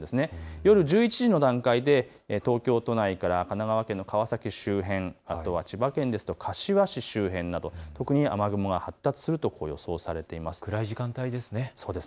夜１１時の段階で東京都内から神奈川県の川崎周辺、あとは千葉県柏市周辺など雨雲が発達すると予想されています。